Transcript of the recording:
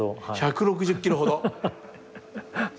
１６０キロほど！